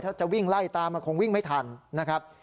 ถ้าจะวิ่งไล่ตามมันคงวิ่งไม่ทันนะครับ